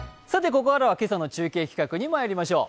さて、ここからは今朝の中継企画にまいりましょう。